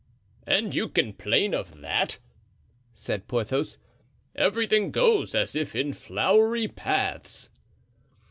"And you complain of that!" said Porthos. "Everything goes as if in flowery paths."